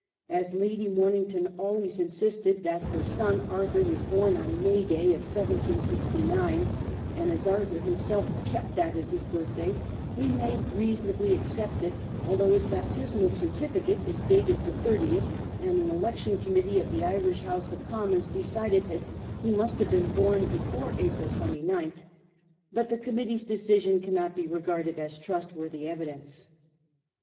As Lady Morn ington always insisted that her son Arthur was bom on May Day, 1769, and as Arthur himself kept that as his birthday, we may reasonably accept it, although his baptismal certificate is dated the 30th, and an election committee of the Irish House of Commons decided that he must have been bom before April 29th; but the committee's decision cannot be regarded as trustworthy evidence.